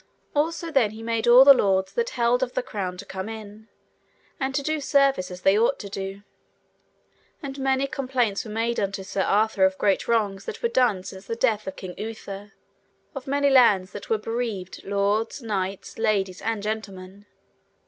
Also then he made all lords that held of the crown to come in, and to do service as they ought to do. And many complaints were made unto Sir Arthur of great wrongs that were done since the death of King Uther, of many lands that were bereaved lords, knights, ladies, and gentlemen.